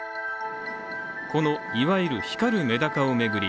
このいわゆる光るめだかを巡り